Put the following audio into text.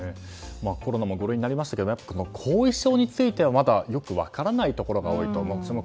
コロナも５類になりましたけど後遺症についてはまだよく分からないところが多いですよね。